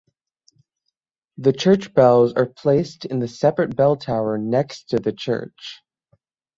The church bells are placed in the separate bell tower next to the church.